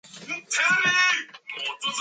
Many others are credited per album or track.